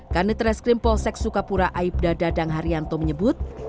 kanit reskrim polsek sukapura aibda dadang haryanto menyebut